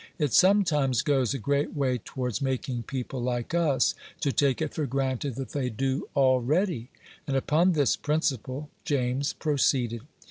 It sometimes goes a great way towards making people like us to take it for granted that they do already; and upon this principle James proceeded.